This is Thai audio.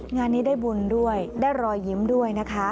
งานนี้ได้บุญด้วยได้รอยยิ้มด้วยนะคะ